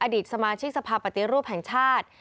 อดีตสมาชิกสภาพปฏิรูปแห่งชาติ